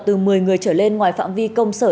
từ một mươi người trở lên ngoài phạm vi công sở